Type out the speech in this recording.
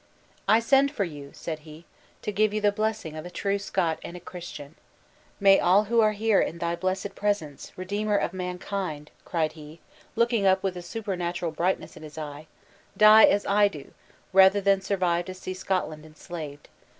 "I send for you," said he, "to give you the blessing of a true Scot and a Christian! May all who are here in thy blessed presence, Redeemer of mankind!" cried he, looking up with a supernatural brightness in his eye, "die as I do, rather than survive to see Scotland enslaved!